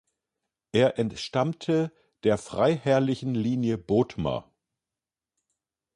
Er entstammte der freiherrlichen Linie Bothmer.